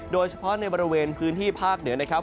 โดยเฉพาะในบริเวณพื้นที่ภาคเหนือนะครับ